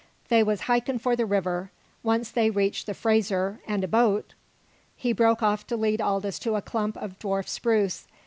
They was hikin' for the river. Once they had reached the Frazer, and a boat " He broke off to lead Aldous to a clump of dwarf spruce.